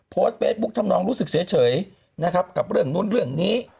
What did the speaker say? โพสต์เฟซบุ๊คทำนองรู้สึกเฉยนะครับกับเรื่องนู้นเรื่องนี้